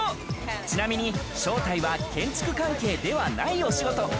ちなみに正体は建築関係ではないお仕事。